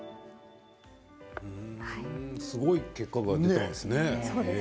すごい結果が出たんですね。